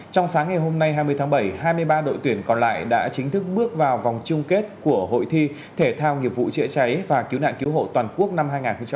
trong sáng ngày hôm nay hai mươi tháng bảy hai mươi ba đội tuyển còn lại đã chính thức bước vào vòng chung kết của hội thi thể thao nghiệp vụ chữa cháy và cứu nạn cứu hộ toàn quốc năm hai nghìn hai mươi ba